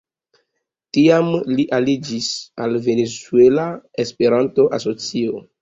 Tiam li aliĝis al Venezuela Esperanto-Asocio.